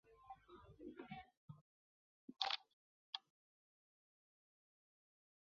矮小虎耳草为虎耳草科虎耳草属下的一个种。